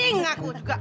pening aku juga